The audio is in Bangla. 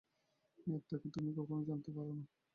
এই আত্মাকে তুমি কখনও জানতে পার না।